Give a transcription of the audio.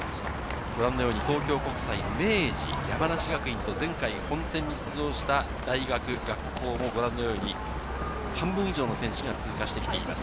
ご覧のように、東京国際、明治、山梨学院と、前回本選に出場した大学、学校も半分以上の選手が通過してきています。